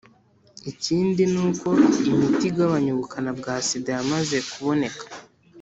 ikindi ni uko imiti igabanya ubukana bwa sida yamaze kuboneka